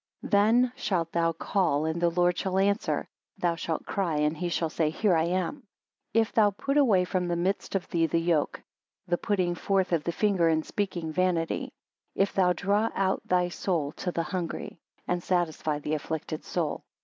19 Then shalt thou call and the Lord shall answer; thou shalt cry and he shall say, Here I am; if thou put away from the midst of thee the yoke; the putting forth of the finger, and speaking vanity; and if thou draw out thy soul to the hungry; and satisfy the afflicted soul.